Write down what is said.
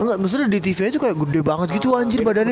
enggak maksudnya di tv nya tuh kayak gede banget gitu anjir badannya